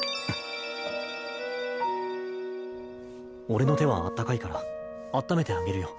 俺の手はあったかいからあっためてあげるよ。